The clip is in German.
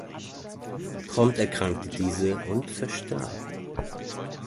Prompt erkrankte diese und verstarb.